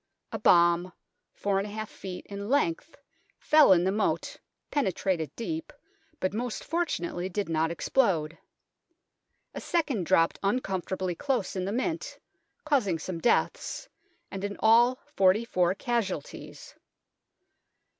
A bomb 4^ ft. in length fell in the moat, penetrated deep, but most fortunately did not explode. A second dropped uncomfortably close in the Mint, causing some deaths, and in all forty four casualties.